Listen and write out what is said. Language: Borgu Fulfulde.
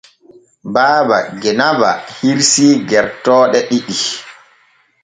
Baaba Genaba hirsii gertooɗe ɗiɗi.